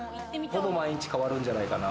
毎日変わるんじゃないかな。